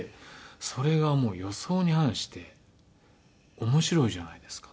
それがもう予想に反して面白いじゃないですかと。